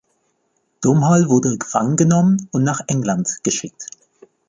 Domhall wurde gefangen genommen und nach England geschickt.